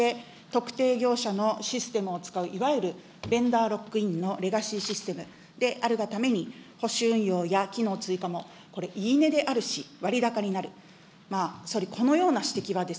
それに反して、特定業者のシステムを使ういわゆるベンダーロックインのレガシーシステムであるがために、補修運用や機能追加もこれ、言い値であるし、割高になる。